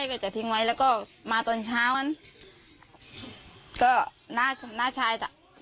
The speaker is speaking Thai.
ก็ได้รู้เออรถของคนตาย